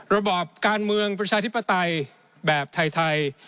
ระบอบการเมืองประชาธิปไตยแบบไทย